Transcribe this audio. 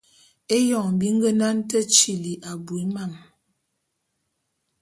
Éyoñg bi ngenane te tili abui mam...